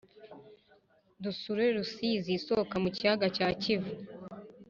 dusure rusizi isohoka mu kiyaga cya kivu